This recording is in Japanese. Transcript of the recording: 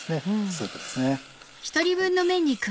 スープですね。